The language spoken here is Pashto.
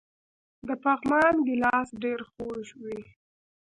د پغمان ګیلاس ډیر خوږ وي.